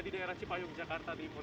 di daerah cipayung jakarta timur